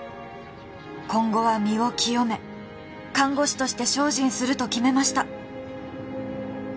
今後は身を清め看護師として精進すると決めました